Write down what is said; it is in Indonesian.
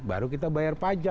baru kita bayar pajak